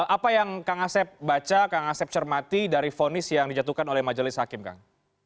apa yang kang asep baca kang asep cermati dari fonis yang dijatuhkan oleh majelis hakim kang